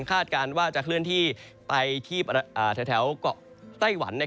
การว่าจะเคลื่อนที่ไปที่แถวเกาะไต้หวัน